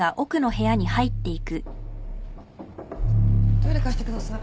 トイレ貸してください。